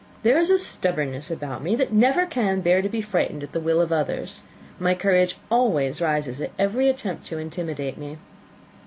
There is a stubbornness about me that never can bear to be frightened at the will of others. My courage always rises with every attempt to intimidate me."